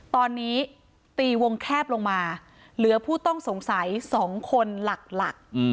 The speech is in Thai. ตอนนี้ตีวงแคบลงมาเหลือผู้ต้องสงสัย๒คนหลัก